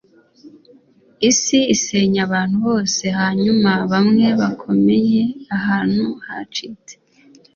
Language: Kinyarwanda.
isi isenya abantu bose, hanyuma, bamwe bakomeye ahantu hacitse